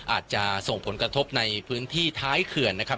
อาจจะส่งผลกระทบในพื้นที่ท้ายเขื่อนนะครับ